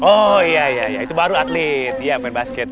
oh iya itu baru atlet